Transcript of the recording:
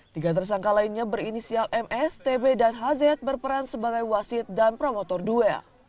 tiga tersangka lainnya berinisial ms tb dan hz berperan sebagai wasit dan promotor duel